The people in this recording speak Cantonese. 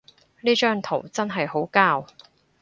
呢張圖真係好膠